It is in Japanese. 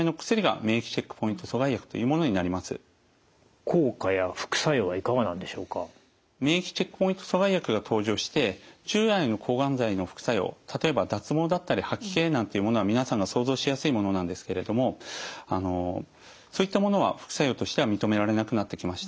免疫チェックポイント阻害薬が登場して従来の抗がん剤の副作用例えば脱毛だったり吐き気なんていうものは皆さんが想像しやすいものなんですけれどもそういったものは副作用としては認められなくなってきました。